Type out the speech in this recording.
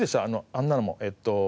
あんなのもえっと。